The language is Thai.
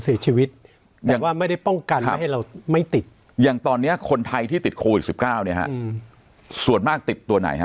ติดตัวเมื่อกั้นนะครับ